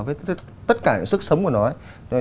với tất cả những sức sống của nó